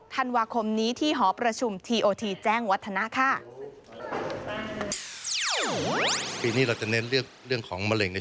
ธันวาคมนี้ที่หอประชุมทีโอทีแจ้งวัฒนะค่ะ